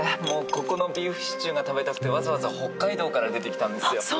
もうここのビーフシチューが食べたくてわざわざ北海道から出てきたんですよ。